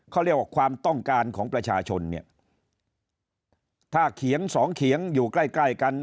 เขาเรียกว่าความต้องการของประชาชนเนี่ยถ้าเขียงสองเขียงอยู่ใกล้ใกล้กัน